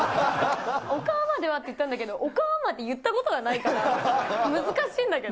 おかわまではって言ったんだけど、おかわまで言ったことがないから、難しいんだけど。